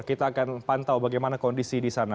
kita akan pantau bagaimana kondisi di sana